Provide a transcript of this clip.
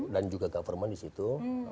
dan juga government disitu